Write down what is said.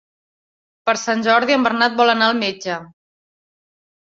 Per Sant Jordi en Bernat vol anar al metge.